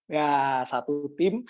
nah satu tim